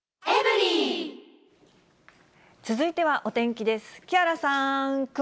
続いてはお天気です。